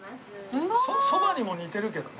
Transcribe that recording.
そばにも似てるけどね。